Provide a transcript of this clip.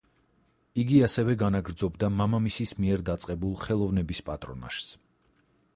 იგი ასევე განაგრძობდა მამამისის მიერ დაწყებულ ხელოვნების პატრონაჟს.